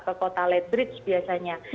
ke kota led bridge biasanya